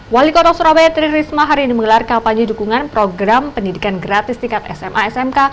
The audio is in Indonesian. wali kota surabaya tri risma hari ini menggelar kampanye dukungan program pendidikan gratis tingkat sma smk